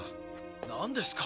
何ですか？